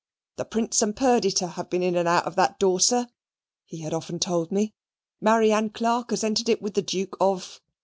"The Prince and Perdita have been in and out of that door, sir," he had often told me; "Marianne Clarke has entered it with the Duke of